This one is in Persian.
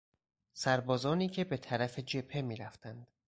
سربازانی که به طرف جبهه میرفتند